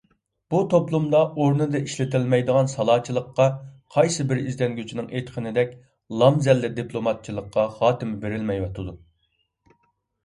بۇ توپلۇمدا ئورنىدا ئىشلىتىلمەيدىغان سالاچىلىققا، قايسى بىر ئىزدەنگۈچىنىڭ ئېيتقىنىدەك "لامزەللە" دىپلوماتچىلىققا خاتىمە بېرىلمەيۋاتىدۇ.